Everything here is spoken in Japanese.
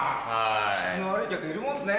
質の悪い客がいるもんすね。